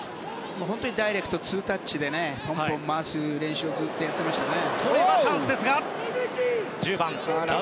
本当にダイレクトツータッチでポンポン回す練習をずっとやっていましたね。